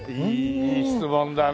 いい質問だね。